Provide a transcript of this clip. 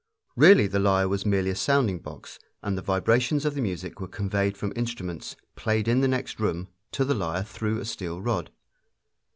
Really the lyre was merely a sounding box, and the vibrations of the music were conveyed from instruments, played in the next room, to the lyre through a steel rod.